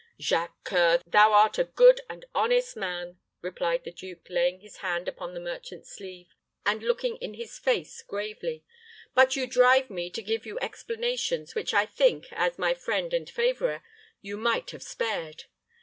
'" "Jacques C[oe]ur, thou art a good and honest man," replied the duke, laying his hand upon the merchant's sleeve, and looking in his face gravely; "but you drive me to give you explanations, which I think, as my friend and favorer, you might have spared.